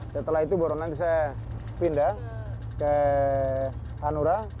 setelah itu baru nanti saya pindah ke hanura